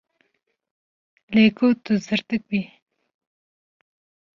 Lê ku tu zirtik bî.